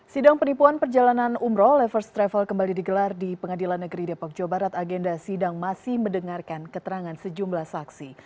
sidang penipuan perjalanan umroh le first travel kembali digelar di pengadilan negeri depok jawa barat agenda sidang masih mendengarkan keterangan sejumlah saksi